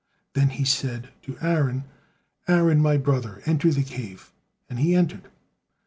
Then he said to Aaron: "Aaron, my brother, enter the cave," and he entered.